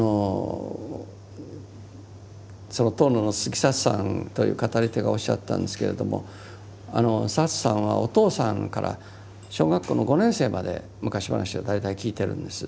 その遠野の鈴木サツさんという語り手がおっしゃったんですけれどもサツさんはお父さんから小学校の５年生まで昔話を大体聞いてるんです。